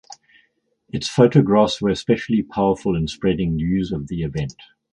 Its photographs were especially powerful in spreading news of the event.